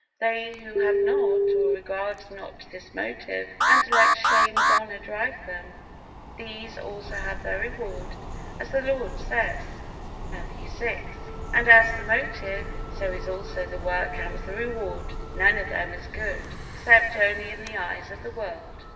They who have not, or regard not this motive, and let shame and honor drive them, these also have their reward, as the Lord says, Matthew vi; and as the motive, so is also the work and the reward: none of them is good, except only in the eyes of the world.